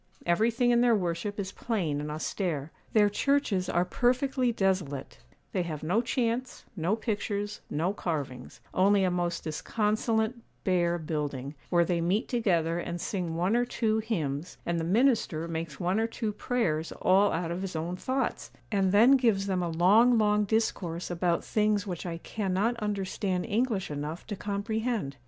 Everything in their worship is plain and austere. Their churches are perfectly desolate; they have no chants, no pictures, no carvings; only a most disconsolate, bare building, where they meet together and sing one or two hymns, and the minister makes one or two prayers all out of his own thoughts; and then gives them a long, long discourse about things which I cannot understand English enough to comprehend.